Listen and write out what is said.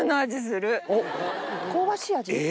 香ばしい味。